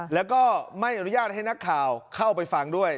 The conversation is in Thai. แล้วก็ไม่อนุญาตให้นักข่าวเข้าไปฟังด้วย